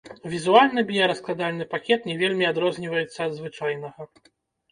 Візуальна біяраскладальны пакет не вельмі адрозніваецца ад звычайнага.